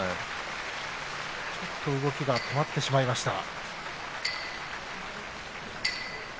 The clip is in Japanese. ちょっと動きが止まってしまいました。